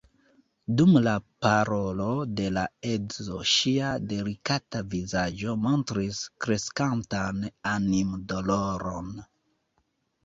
Dum la parolo de la edzo ŝia delikata vizaĝo montris kreskantan animdoloron.